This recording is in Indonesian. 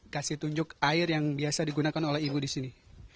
kasih tunjuk air yang biasa digunakan oleh ibu di sini